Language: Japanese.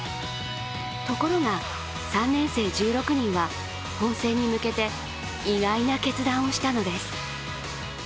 ところが、３年生１６人は本戦に向けて意外な決断をしたのです。